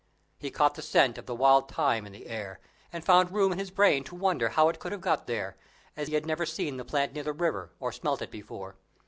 He caught the scent of wild thyme in the air, and found room in his brain to wonder how it could have got there, as he had never seen the plant near the river, or smelt it before.